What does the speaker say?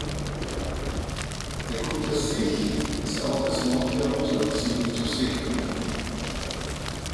Bei guter Sicht ist auch das Monte-Rosa-Massiv zu sehen.